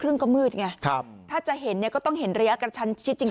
ก็มืดไงถ้าจะเห็นเนี่ยก็ต้องเห็นระยะกระชั้นชิดจริง